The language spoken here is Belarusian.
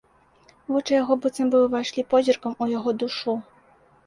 Вочы яго быццам бы ўвайшлі позіркам у яго душу.